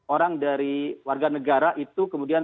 orang dari warga negara itu kemudian